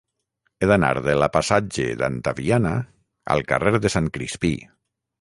He d'anar de la passatge d'Antaviana al carrer de Sant Crispí.